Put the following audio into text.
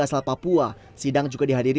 asal papua sidang juga dihadiri